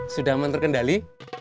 sudah aman terkendali